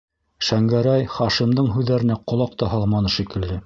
Шәңгәрәй Хашимдың һүҙҙәренә ҡолаҡ та һалманы шикелле: